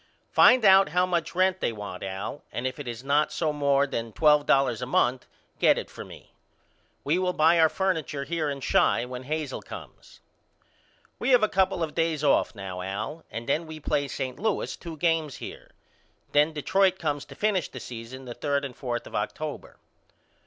Find out how much rent they want Al and if it is not no more than twelve dollars a month get it for me. We will buy our furniture here in Chi when Hazel comes. We have a couple of days off now Al and then we play St. Louis two games here. Then Detroit comes to finish the season the third and fourth of October.